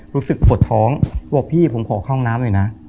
รู้สึกปวดท้องบอกพี่ผมขอเข้าห้องน้ำหน่อยนะ